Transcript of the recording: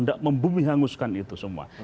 tidak membumi hanguskan itu semua